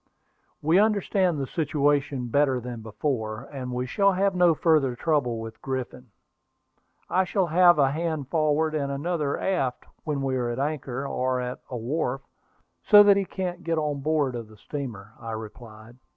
"We understand the situation better than before, and we shall have no further trouble with Griffin. I shall have a hand forward and another aft whenever we are at anchor, or at a wharf, so that he can't get on board of the steamer," I replied.